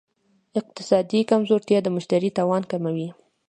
اقتصادي کمزورتیا د مشتري توان کموي.